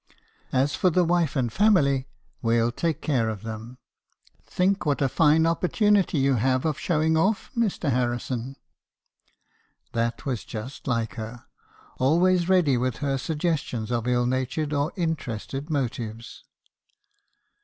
a 'As for the wife and family, we '11 take care of them. Think what a fine opportunity you have of showing off, Mr. Har rison !' "That was just like her. Always ready with her suggestions of ill natured or interested motives.